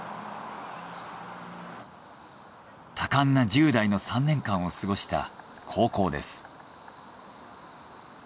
多感な１０代の３年間を過ごした高校です。